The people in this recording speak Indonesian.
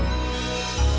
mengurusnya kayak gue